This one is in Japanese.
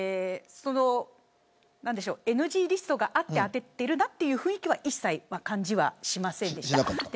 ＮＧリストがあって当てているなという雰囲気は一切感じませんでした。